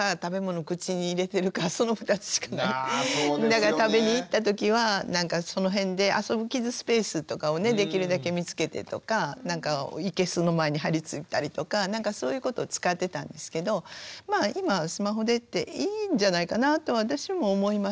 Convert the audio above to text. だから食べに行った時はなんかその辺で遊ぶキッズスペースとかをねできるだけ見つけてとかなんか生けすの前に張り付いたりとかなんかそういうことを使ってたんですけどまあ今はスマホでっていいんじゃないかなぁと私も思います。